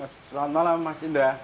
selamat malam mas indra